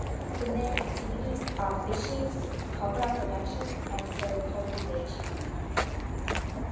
The main activities are fishing, copra production and pearl cultivation.